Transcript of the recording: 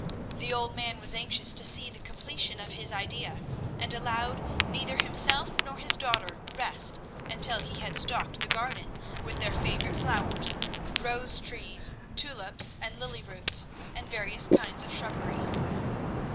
The old man was anxious to see the completion of his idea, and allowed neither himself nor his daughter rest until he had stocked the garden with their favourite flowers, rose trees, tulip and lily roots, and various kinds of shrubbery.